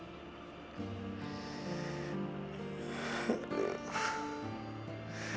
gue mesti kerja apa ya